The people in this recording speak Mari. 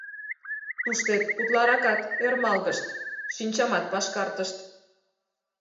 Туштет утларакат ӧрмалгышт, шинчамат пашкартышт.